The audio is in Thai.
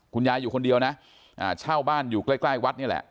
คุณยายอยู่คนเดียวนะเช่าบ้านอยู่ใกล้วัดนี่แหละ